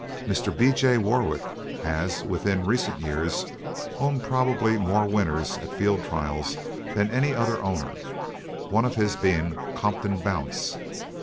Mr. B. J. Warwick has within recent years owned probably more winners at field trials than any other owner, one of his being Compton Bounce.